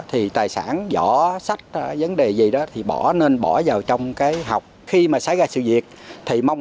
thì tài sản vỏ sách vấn đề gì đó thì bỏ nên bỏ vào trong cái học khi mà xảy ra sự việc thì mong